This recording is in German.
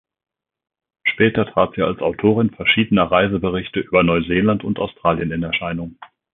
Später trat sie als Autorin verschiedener Reiseberichte über Neuseeland und Australien in Erscheinung.